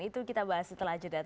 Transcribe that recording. itu kita bahas setelah jeda